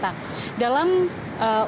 yang merupakan penyidikan yang berhasil